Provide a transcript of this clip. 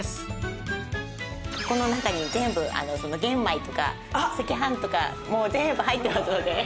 この中に全部玄米とか赤飯とかもう全部入ってますので。